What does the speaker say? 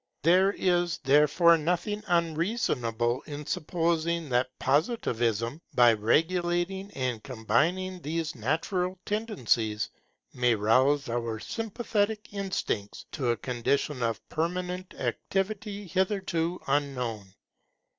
There is, therefore, nothing unreasonable in supposing that Positivism, by regulating and combining these natural tendencies, may rouse our sympathetic instincts to a condition of permanent activity hitherto unknown.